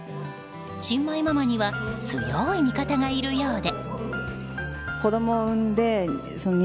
新米ママには強い味方がいるようで。